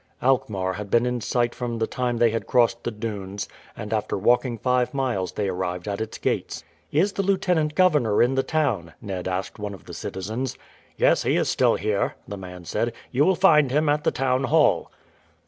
Alkmaar had been in sight from the time they had crossed the dunes, and after walking five miles they arrived at its gates. "Is the lieutenant governor in the town?" Ned asked one of the citizens. "Yes, he is still here," the man said. "You will find him at the town hall."